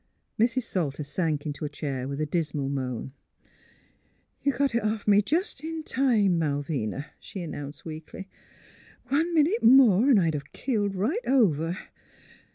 Mrs. Salter sank into a chair with a dismal moan. *' You got it off me jest in time, Malvina, '' she announced, weakly. *' One minute more 'n' I'd a keeled right over!